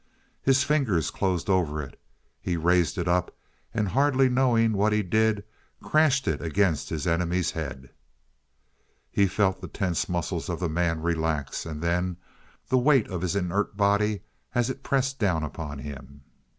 His fingers closed over it; he raised it up, and hardly knowing what he did, crashed it against his enemy's head. He felt the tense muscles of the man relax, and then the weight of his inert body as it pressed down upon him.